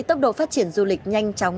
tốc độ phát triển du lịch nhanh chóng